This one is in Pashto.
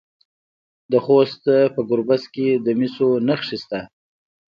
د خوست په ګربز کې د مسو نښې شته.